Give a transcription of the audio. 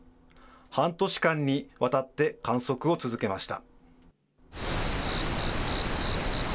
半年間にわたって観測を続けました。